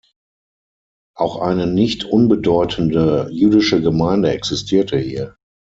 Auch eine nicht unbedeutende jüdische Gemeinde existierte hier.